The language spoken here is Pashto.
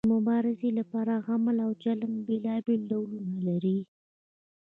د مبارزې لپاره عمل او چلند بیلابیل ډولونه لري.